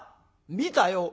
「見たよ」。